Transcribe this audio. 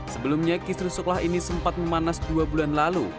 sebelumnya kisru sekolah ini sempat memanas dua bulan lalu